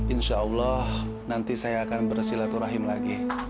insya allah nanti saya akan bersilaturahim lagi